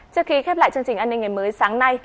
trước khi khép lại chương trình an ninh ngày mới sáng nay